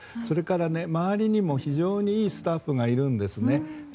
それから、周りにも非常にいいスタッフがいるんですね。